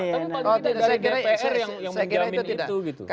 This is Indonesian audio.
tapi paling tidak dari dpr yang menjamin itu